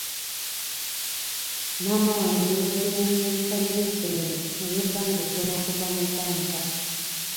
Maama wange yeewoze looni y'ebisale by'essomero ey'ebbanga ettono okuva mu banka.